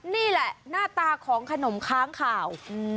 นี่แหละหน้าตาของขนมค้างข่าว